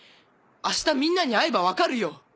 明日みんなに会えば分かるよ！